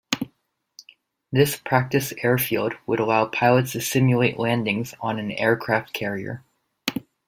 This practice airfield would allow pilots to simulate landings on an aircraft carrier.